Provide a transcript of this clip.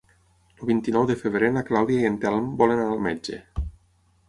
El vint-i-nou de febrer na Clàudia i en Telm volen anar al metge.